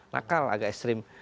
nakal agak ekstrim